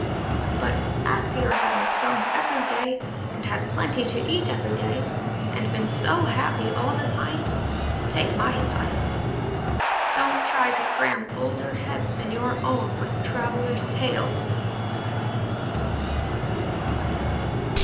But as to your having sung every day, and had plenty to eat every day, and been so happy all the time,–take my advice, don't try to cram older heads than your own with travellers' tales!"